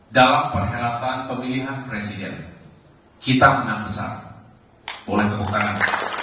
dalam perhelatan pemilihan presiden kita menang besar boleh tepuk tangan